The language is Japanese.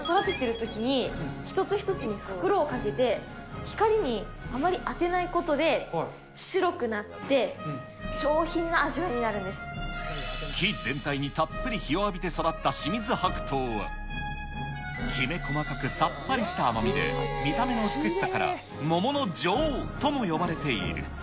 育てているときに、一つ一つに袋をかけて、光にあまり当てないことで、白くなって、木全体にたっぷり日を浴びて育った清水白桃は、きめ細かく、さっぱりした甘みで、見た目の美しさから桃の女王とも呼ばれている。